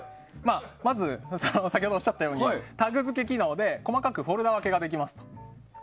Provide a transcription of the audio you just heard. まず先ほどおっしゃったようにタグ付け機能で細かくフォルダ分けができます。